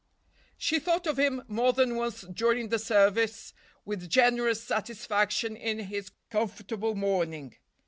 She thought of him more than once during the service with generous satisfaction in his comfortable morning.